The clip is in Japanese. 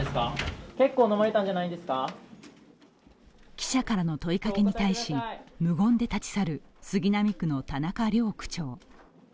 記者からの問いかけに対し、無言で立ち去る杉並区の田中良区長。